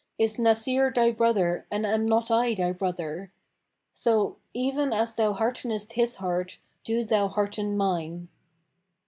Is Nasir thy brother and am not I thy brother? So, even as thou heartenest his heart, do thou hearten mine."